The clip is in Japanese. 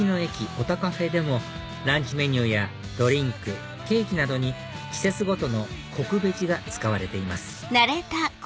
おたカフェでもランチメニューやドリンクケーキなどに季節ごとのこくベジが使われています